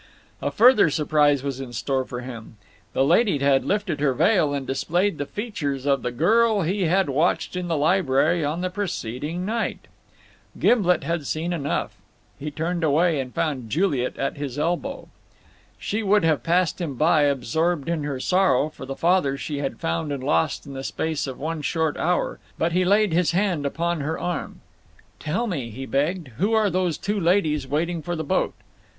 A further surprise was in store for him. The lady had lifted her veil and displayed the features of the girl he had watched in the library on the preceding night. Gimblet had seen enough. He turned away, and found Juliet at his elbow. She would have passed him by, absorbed in her sorrow for the father she had found and lost in the space of one short hour, but he laid her hand upon her arm. "Tell me," he begged, "who are those two ladies waiting for the boat?"